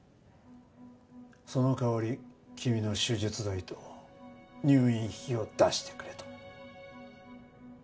その代わり君の手術代と入院費を出してくれと。